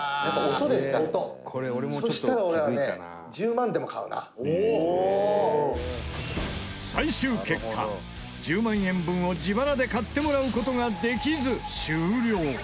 「音」「そしたら俺はね最終結果１０万円分を自腹で買ってもらう事ができず終了。